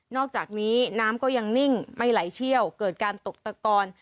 อกจากนี้น้ำก็ยังนิ่งไม่ไหลเชี่ยวเกิดการตกตะกอน